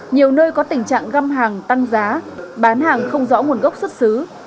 nhiều nơi có tình trạng găm hàng tăng giá bán hàng không rõ nguồn gốc xuất xứ